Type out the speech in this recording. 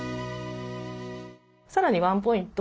さらにワンポイント